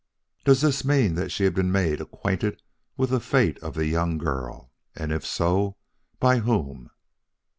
"Does this mean that she had been made acquainted with the fate of the young girl; and if so, by whom?"